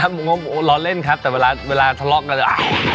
ครับผมงลอเล่นครับแต่เวลาทะเลาะกันค่ะ